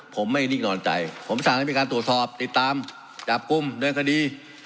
ผมไม่นิ่งนอนใจผมสั่งให้มีการตรวจสอบติดตามจับกลุ่มเดินคดี